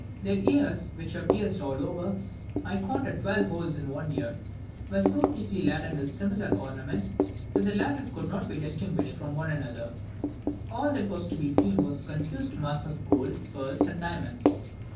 Their ears, which were pierced all over I counted twelve holes in one ear were so thickly laden with similar ornaments, that the latter could not be distinguished from one another; all that was to be seen was a confused mass of gold, pearls, and diamonds.